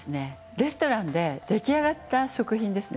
レストランで出来上がった食品ですね。